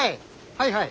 はいはい。